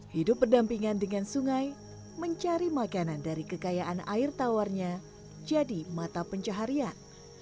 hidup berdampingan dengan sungai mencari makanan dari kekayaan air tawarnya jadi mata pencaharian